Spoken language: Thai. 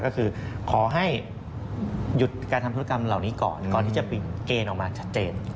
ก็คือขอให้หยุดการทำธุรกรรมเหล่านี้ก่อนก่อนที่จะปิดเกณฑ์ออกมาชัดเจน